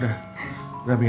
udah udah bi